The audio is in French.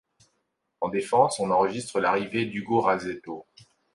En défense, on enregistre l'arrivée d'Ugo Rasetto.